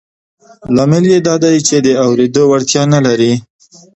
لامل یې دا دی چې د اورېدو وړتیا نه لري